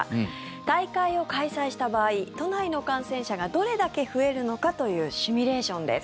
大会を開催した場合都内の感染者がどれだけ増えるのかというシミュレーションです。